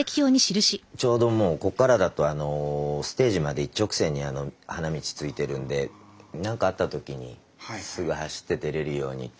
ちょうどここからだとステージまで一直線に花道ついてるんで何かあった時にすぐ走って出れるように。